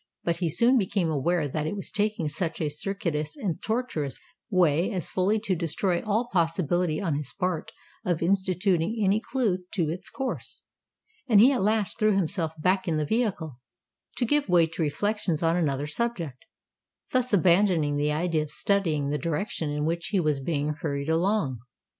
But he soon became aware that it was taking such a circuitous and tortuous way as fully to destroy all possibility on his part of instituting any clue to its course; and he at last threw himself back in the vehicle, to give way to reflections on another subject—thus abandoning the idea of studying the direction in which he was being hurried along.